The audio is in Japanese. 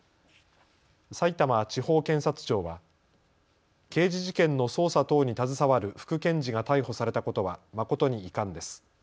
さいたま地方検察庁は刑事事件の捜査等に携わる副検事が逮捕されたことは誠に遺憾です。